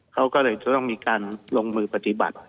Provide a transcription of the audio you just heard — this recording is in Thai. เขาก็เลยจะต้องมีการลงมือปฏิบัติ